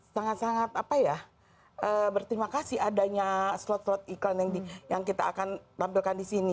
sangat sangat apa ya berterima kasih adanya slot slot iklan yang kita akan tampilkan di sini